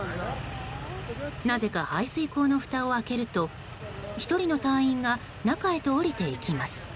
なぜか排水溝のふたを開けると１人の隊員が中へと下りていきます。